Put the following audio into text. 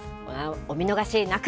お見逃しなく。